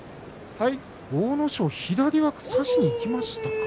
阿武咲は左は差しにいきましたか。